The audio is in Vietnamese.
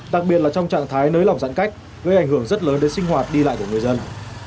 đặc biệt là trong trạng thái nới lỏng giãn cách gây ảnh hưởng rất lớn đến sinh hoạt đi lại của người dân